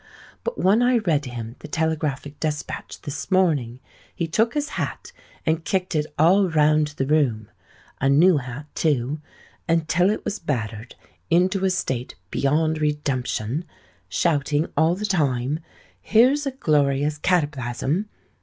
But when I read him the Telegraphic Despatch this morning, he took his hat and kicked it all round the room,—a new hat too,—until it was battered into a state beyond redemption,—shouting all the time, '_Here's a glorious cataplasm!